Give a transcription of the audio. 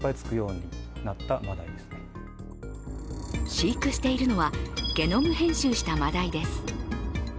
飼育しているのはゲノム編集したマダイです。